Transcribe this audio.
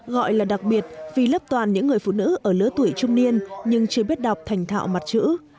gọi là đặc biệt vì lớp toàn những người phụ nữ ở lứa tuổi trung niên nhưng chưa biết đọc thành thạo mặt chữ